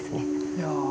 いや。